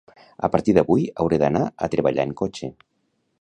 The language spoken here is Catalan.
A partir d'avui hauré d'anar a treballar en cotxe